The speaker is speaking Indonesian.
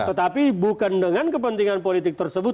tetapi bukan dengan kepentingan politik tersebut